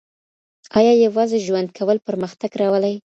آیا یوازې ژوند کول پرمختګ راولي؟